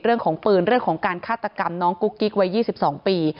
เรื่องของปืนเรื่องของการฆาตกรรมน้องกุ๊กกิ๊กวัย๒๒ปี